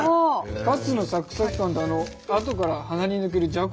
カツのサクサク感とあとから鼻に抜けるじゃ